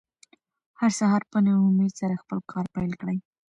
هر سهار په نوي امېد سره خپل کار پیل کړئ.